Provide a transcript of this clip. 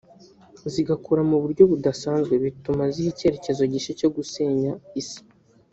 zigakura mu buryo budasanzwe bituma ziha icyerekezo gishya cyo gusenya Isi